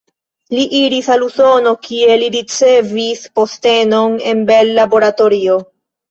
Li iris al Usono, kie li ricevis postenon en Bell Laboratorio.